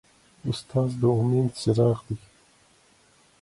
استاد د امید څراغ دی.